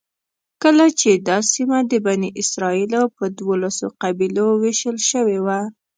کله چې دا سیمه د بني اسرایلو په دولسو قبیلو وېشل شوې وه.